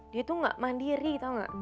dia tuh gak mandiri tau gak